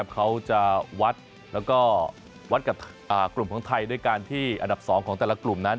เขาจะวัดแล้วก็วัดกับกลุ่มของไทยด้วยการที่อันดับ๒ของแต่ละกลุ่มนั้น